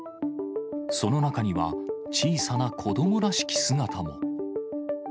その中には、小さな子どもらしき姿も。